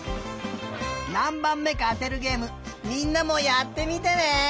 なんばんめかあてるゲームみんなもやってみてね！